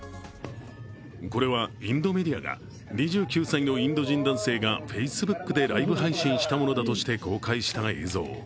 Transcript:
これはインドメディアが２９歳のインド人男性がＦａｃｅｂｏｏｋでライブ配信したものだとして公開した映像。